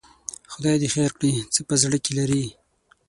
خدای دې خیر کړي، څه په زړه کې لري؟